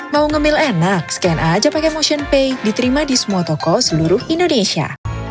mau nge mail enak scan aja pake motionpay diterima di semua toko seluruh indonesia